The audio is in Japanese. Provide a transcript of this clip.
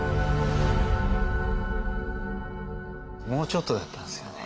もうちょっとだったんですよね。